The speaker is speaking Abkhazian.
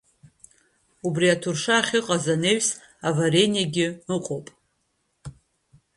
Убри аҭурша ахьыҟаз анаҩсан аварениагьы ыҟоуп.